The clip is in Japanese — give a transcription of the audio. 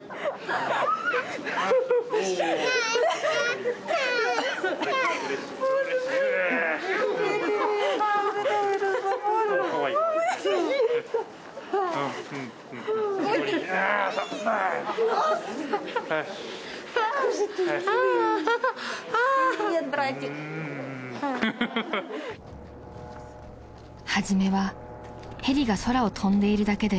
［初めはヘリが空を飛んでいるだけで］